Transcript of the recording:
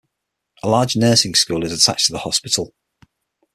A large nursing school is attached to the hospital.